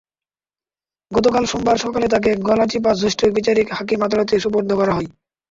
গতকাল সোমবার সকালে তাঁকে গলাচিপা জ্যেষ্ঠ বিচারিক হাকিম আদালতে সোপর্দ করা হয়।